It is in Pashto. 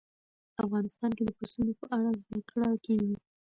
افغانستان کې د پسونو په اړه زده کړه کېږي.